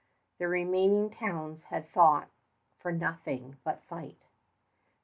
The remaining towns had thought for nothing but flight.